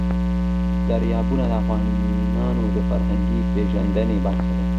دریابونه د افغانانو د فرهنګي پیژندنې برخه ده.